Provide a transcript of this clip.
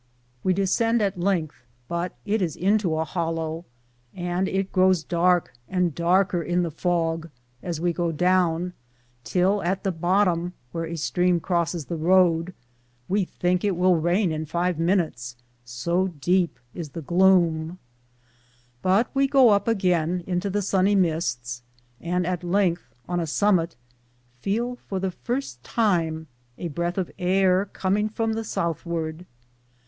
We descend at length, but it is into a hollow, and it grows dark and darker in the fog as we go down, till at the bottom, where a stream crosses the road, we think it will rain in five minutes, so deep is the gloom ; but we go up again into the sunny mists, and at length, on a summit, feel for the first time a breath of air coming from the south ward.